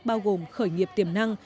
bao gồm khởi nghiệp tiềm năng